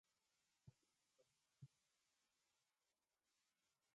The term has often been used in entertainment.